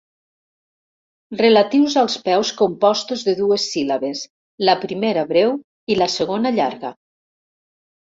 Relatius als peus compostos de dues síl·labes, la primera breu i la segona llarga.